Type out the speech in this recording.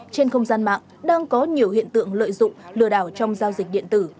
trên không gian mạng đang có nhiều hiện tượng lợi dụng lừa đảo trong giao dịch điện tử